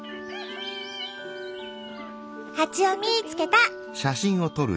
ハチを見つけた！